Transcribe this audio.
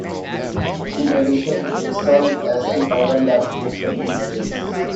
In addition, it served as the final lap of the Peace Race.